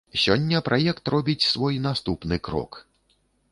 Сёння праект робіць свой наступны крок.